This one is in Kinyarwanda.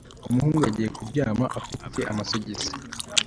Umuhungu yagiye kuryama afite amasogisi